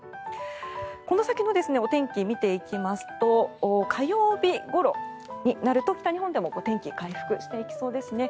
この先のお天気見ていきますと火曜日ごろになると、北日本でも天気回復していきそうですね。